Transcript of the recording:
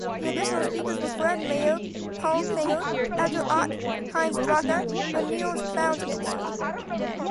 The additional speakers were Fred Maire, Paul Klinger, Edgar Ott, Heinz Drache or Niels Clausnitzer.